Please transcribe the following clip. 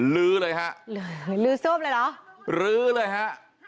ลื้อเลยฮะ